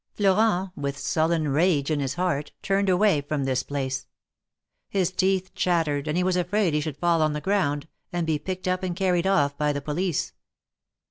Florent, with sullen rage in his heart, turned away from this place. His teeth chattered, and he was afraid he should fall on the ground, and be picked up and carried off by the police.